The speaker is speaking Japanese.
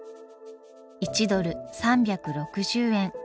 １ドル３６０円